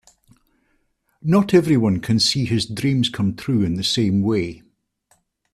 Not everyone can see his dreams come true in the same way.